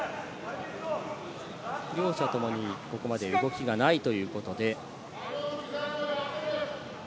両者共にここまで動きがないということで。